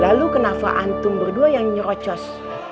lalu kenafa antum berdua yang nyerocos